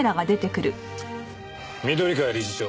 緑川理事長